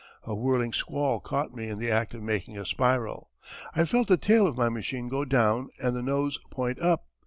A whirling squall caught me in the act of making a spiral. I felt the tail of my machine go down and the nose point up.